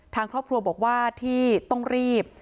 ทางครอบครัวบอกว่าที่ต้องรีบ